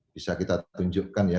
bisa kita tunjukkan ya